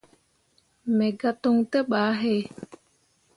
Me gah toŋ te bah he.